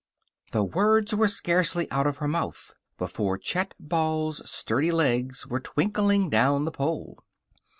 The words were scarcely out of her mouth before Chet Ball's sturdy legs were twinkling down the pole.